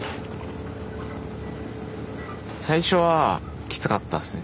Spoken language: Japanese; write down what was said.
最初はきつかったっすね。